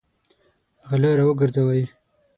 غله راوګرځوئ!